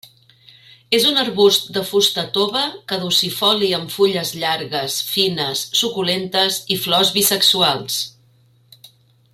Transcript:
És un arbust de fusta tova, caducifoli amb fulles llargues, fines, suculentes i flors bisexuals.